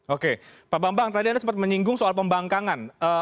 oke pak bambang tadi anda sempat menyinggung soal pembangkangan